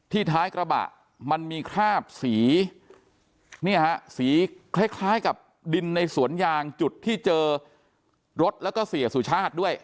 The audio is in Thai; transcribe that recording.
ท้ายกระบะมันมีคราบสีเนี่ยฮะสีคล้ายกับดินในสวนยางจุดที่เจอรถแล้วก็เสียสุชาติด้วย